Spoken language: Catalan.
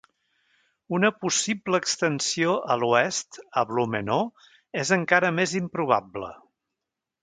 Una possible extensió a l'oest a "Blumenau" és encara més improbable.